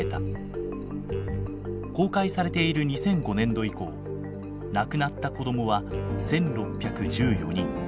公開されている２００５年度以降亡くなった子どもは１，６１４人。